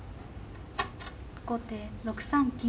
後手６三金。